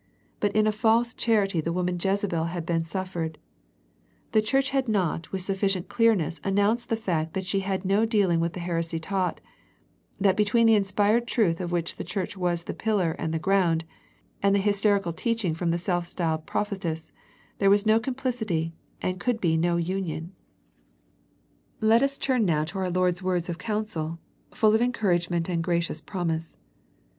But in a false charity the woman Jezebel had been suffered. The church had not with suf 126 A First Century Message ficient clearness announced the fact that she had no dealing with the heresy taught, that between the inspired truth of which the church was the pillar and the ground, and the hyster ical teaching from the self styled prophetess, there was no complicity, and could be no union. Now let us turn to our Lord's words of counsel, full of encouragement and gracious promise.